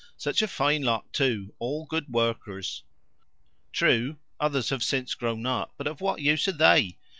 "Such a fine lot, too all good workers! True, others have since grown up, but of what use are THEY?